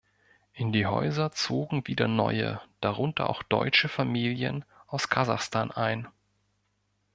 In die Häuser zogen wieder neue, darunter auch deutsche Familien aus Kasachstan ein.